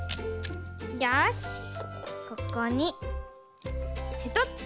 よしここにペトっと。